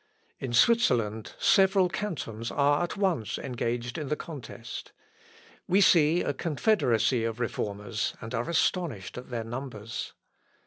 In Switzerland, several cantons are at once engaged in the contest. We see a confederacy of Reformers, and are astonished at their numbers.